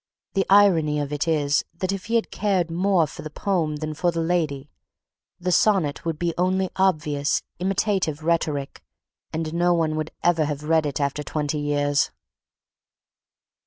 The irony of it is that if he had cared more for the poem than for the lady the sonnet would be only obvious, imitative rhetoric and no one would ever have read it after twenty years....